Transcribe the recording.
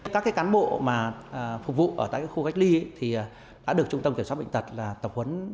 các cán bộ phục vụ ở tại khu cách ly thì đã được trung tâm kiểm soát bệnh tật tập huấn